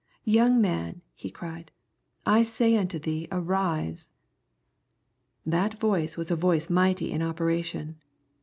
" Young man," He cried, " I say unto thee arise." That voice was a voice mighty in operation.